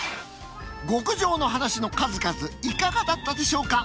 極上のはなしの数々いかがだったでしょうか。